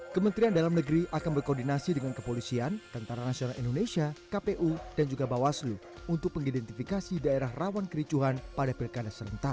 kementerian dalam negeri akan berkoordinasi dengan kepolisian tentara nasional indonesia kpu dan juga bawaslu untuk mengidentifikasi daerah rawan kericuhan pada pilkada serentak